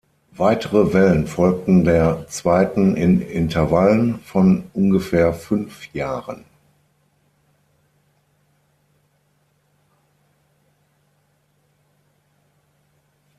Weitere Wellen folgten der zweiten in Intervallen von ungefähr fünf Jahren.